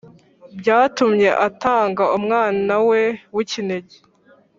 Byatumye atanga umwana we w’ikinege